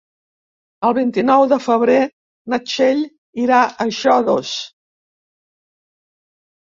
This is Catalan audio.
El vint-i-nou de febrer na Txell irà a Xodos.